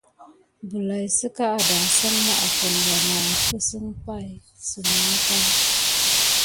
Bəlay sika adasine mà afine ɓa may kusimaya pay.